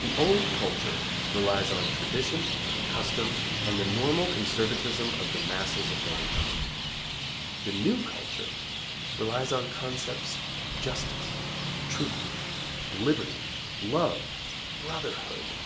The old culture relies on tradition, custom, and the normal conservatism of the masses of mankind, The new culture relies on concepts of justice, truth, liberty, love, brotherhood.